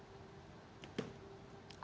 mas duki baidlawi